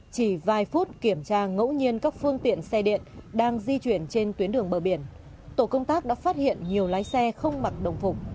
chỉ vài phút kiểm tra ngẫu nhiên các phương tiện xe điện đang di chuyển trên tuyến đường bờ biển tổ công tác đã phát hiện nhiều lái xe không mặc đồng phục